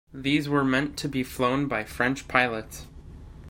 These were meant to be flown by French pilots.